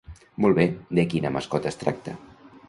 Molt bé, de quina mascota es tracta?